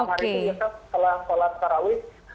jadi setelah sholat karawih